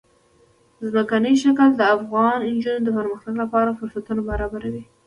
ځمکنی شکل د افغان نجونو د پرمختګ لپاره فرصتونه برابروي.